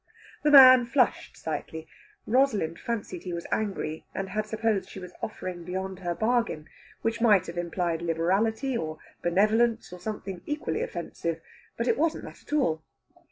The man flushed slightly. Rosalind fancied he was angry, and had supposed she was offering beyond her bargain, which might have implied liberality, or benevolence, or something equally offensive. But it wasn't that at all.